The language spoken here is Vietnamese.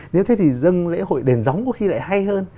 nếu thế thì dân lễ hội đền gióng có khi lại hay hơn